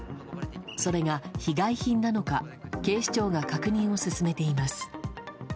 それが被害品なのか警視庁が確認を進めています。